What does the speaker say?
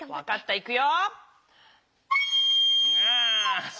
いくよ。